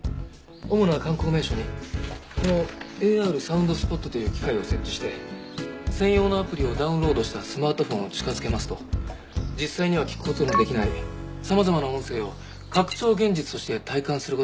主な観光名所にこのＡＲサウンドスポットという機械を設置して専用のアプリをダウンロードしたスマートフォンを近づけますと実際には聞く事のできない様々な音声を拡張現実として体感する事ができる仕組みです。